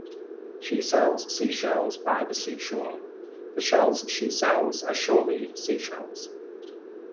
She sells sea shells by the seashore. The shells she sells are surely seashells.